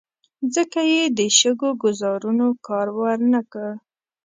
ځکه یې د شګو ګوزارونو کار ور نه کړ.